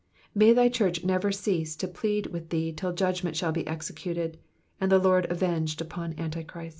May thy church never cease to plead with thee till judgment shall be executed, and the Lord avenged upon Antichrist.